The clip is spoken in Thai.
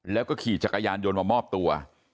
แล้วก็ขี่จักรยานยนต์มามอบตัว